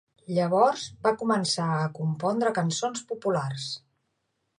Llavors va començar a compondre cançons populars.